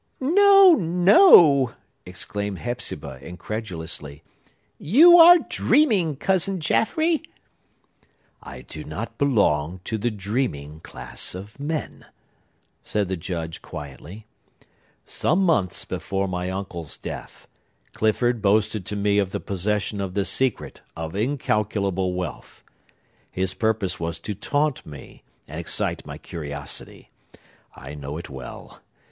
"No, no!" exclaimed Hepzibah incredulously. "You are dreaming, Cousin Jaffrey." "I do not belong to the dreaming class of men," said the Judge quietly. "Some months before my uncle's death, Clifford boasted to me of the possession of the secret of incalculable wealth. His purpose was to taunt me, and excite my curiosity. I know it well.